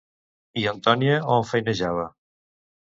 I Antònia on feinejava?